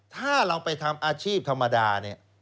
ถ้าเราไปทำอาชีพธรรมดาเนี่ย